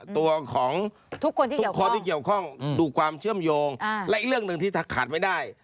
ตัวของทุกคนที่เกี่ยวข้องดูความเชื่อมโยงและอีกเรื่องหนึ่งที่ถ้าขาดไม่ได้